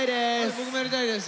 僕もやりたいです。